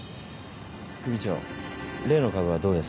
組長例の株はどうです？